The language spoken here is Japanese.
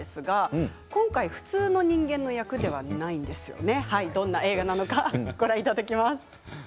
今回は、普通の人間の役ではないんですね。